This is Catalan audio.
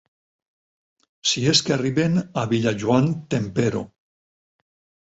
Si és que arriben a Vilajoan –tempero.